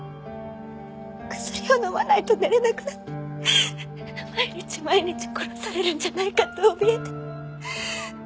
薬を飲まないと寝れなくなって毎日毎日殺されるんじゃないかって怯えて。